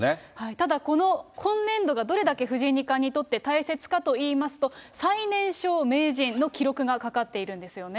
ただ、この今年度がどれだけ藤井二冠にとって大切かと言いますと、最年少名人の記録がかかっているんですよね。